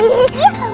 yeay kamu prinses